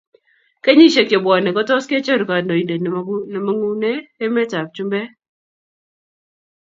Kenyisiek che bwone ko tos kechoru kandindet ne magune emet ab chumbek